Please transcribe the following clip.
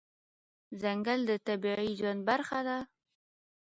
ځنګل د طبیعي ژوند برخه ده.